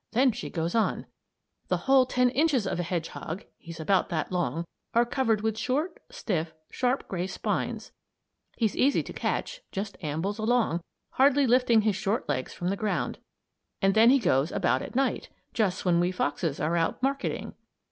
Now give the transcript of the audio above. Then she goes on: "The whole ten inches of a hedgehog he's about that long are covered with short, stiff, sharp, gray spines. He's easy to catch just ambles along, hardly lifting his short legs from the ground. And he goes about at night just when we foxes are out marketing.